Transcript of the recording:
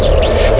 aku sudah menang